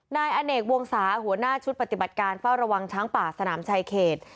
นายอเนกวงศาหัวหน้าชุดปฏิบัติการเฝ้าระวังช้างป่าสนามชายเขต